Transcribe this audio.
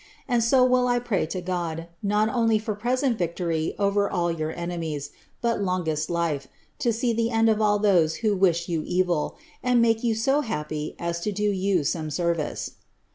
And so will I pray to God, not only for present victory over all your enemies, but longest life, to see the end of all those wbo wish you evil, and make me so happy as to do you some service.